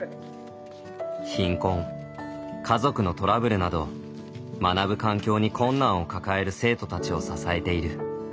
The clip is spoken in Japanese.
貧困家族のトラブルなど学ぶ環境に困難を抱える生徒たちを支えている。